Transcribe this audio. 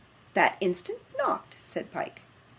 'That instant knocked,' said Pyke.